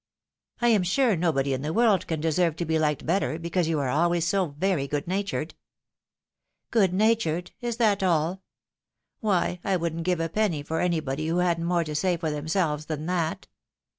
"I am sure nobody in the world can deserve to be Hked bet ter, because you are always so very good natured." " Good natured ! Is that aU ? Why, I wouldn't give a penny for anybody who hadn't more to say for themselves than that.